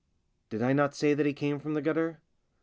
Did I not say that he came from the gutter